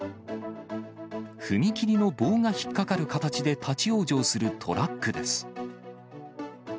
踏切の棒が引っ掛かる形で立往生するトラックです。